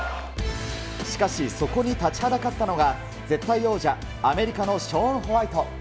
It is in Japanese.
しかし、そこに立ちはだかったのは絶対王者、アメリカのショーン・ホワイト。